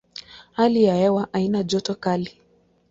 Hali ya hewa haina joto kali.